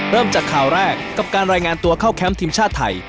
เริ่มจากข่าวแรกกับการรายงานตัวเข้าแคมป์ทีมชาติไทย